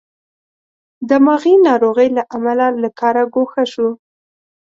دماغې ناروغۍ له امله له کاره ګوښه شو.